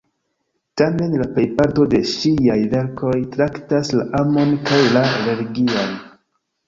Tamen la plejparto de ŝiaj verkoj traktas la amon kaj la religian.